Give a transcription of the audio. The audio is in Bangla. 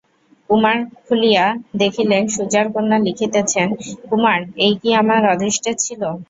কুমার খুলিয়া দেখিলেন সুজার কন্যা লিখিতেছেন, কুমার, এই কি আমার অদৃষ্টে ছিল?